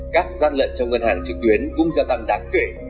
các gian lận trong ngân hàng trực tuyến cũng gia tăng đáng kể